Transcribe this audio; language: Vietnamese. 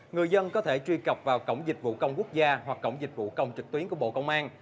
người dân có thể truy cập vào cổng dịch vụ công quốc gia hoặc cổng dịch vụ công trực tuyến của bộ công an